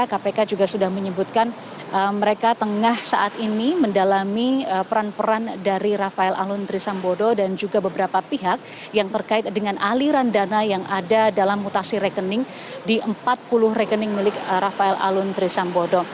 kpk juga sudah menyebutkan mereka tengah saat ini mendalami peran peran dari rafael alun trisambodo dan juga beberapa pihak yang terkait dengan aliran dana yang ada dalam mutasi rekening di empat puluh rekening milik rafael alun trisambodo